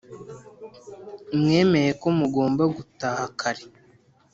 mwamenye ko mugomba gutaha kare